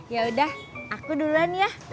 ya udah aku duluan ya